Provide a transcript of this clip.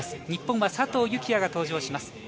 日本は佐藤幸椰が登場します。